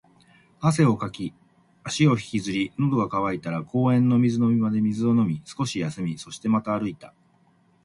汗をかき、足を引きずり、喉が渇いたら公園の水飲み場で水を飲み、少し休み、そしてまた歩いた